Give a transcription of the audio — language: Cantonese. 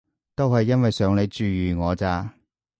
都係因為想你注意我咋